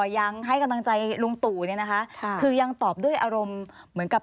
ยังให้กำลังใจลุงตู่เนี่ยนะคะคือยังตอบด้วยอารมณ์เหมือนกับ